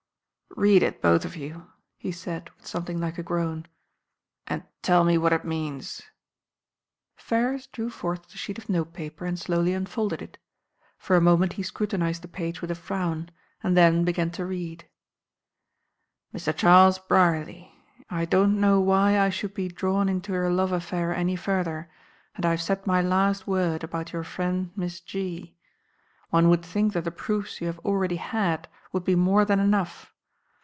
"Read it, both of you," he said, with something like a groan. "And tell me what it means." Ferrars drew forth the sheet of note paper and slowly unfolded it. For a moment he scrutinised the page with a frown, and then began to read "Mr. Charles Brierly: I don't know why I should be drawn into your love affair any further, and I have said my last word about your friend, Miss G . One would think that the proofs you have already had would be more than enough.